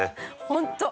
「ホント」